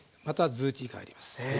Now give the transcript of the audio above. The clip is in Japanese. またズーチーが入ります。